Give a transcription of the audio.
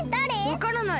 わからない。